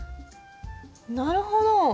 なるほど！